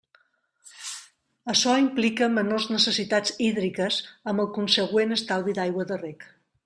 Açò implica menors necessitats hídriques amb el consegüent estalvi d'aigua de reg.